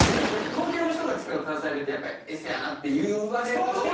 東京の人が使う関西弁って「エセやな」って言われること多い。